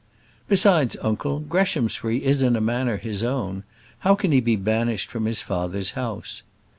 "Besides, uncle, Greshamsbury is in a manner his own; how can he be banished from his father's house?